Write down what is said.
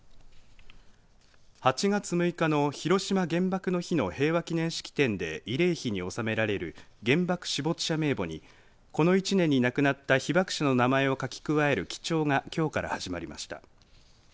８月６日の広島原爆の日の平和記念式典で慰霊碑に納められる原爆死没者名簿にこの１年に亡くなった被爆者の名前を書き加える記帳がきょうから始まりました。